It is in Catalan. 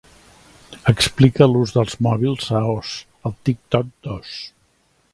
Explica l'ús dels mòbils a Oz al Tik-Tok d'Oz.